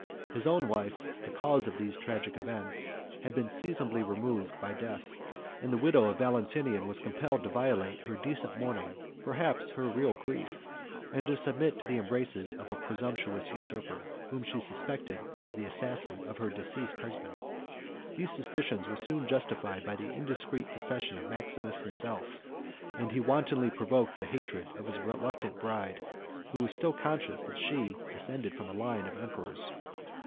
His own wife, the cause of these tragic events, had been seasonably removed by death; and the widow of Valentinian was compelled to violate her decent mourning, perhaps her real grief, and to submit to the embraces of a presumptuous usurper, whom she suspected as the assassin of her deceased husband. These suspicions were soon justified by the indiscreet confession of Maximus himself; and he wantonly provoked the hatred of his reluctant bride, who was still conscious that she was descended from a line of emperors.